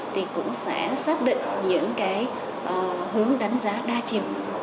thì cũng sẽ xác định những cái hướng đánh giá đa chiều